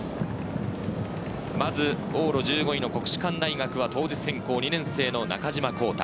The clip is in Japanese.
まず往路１５位の国士舘大学は当日変更、２年生の中島弘太。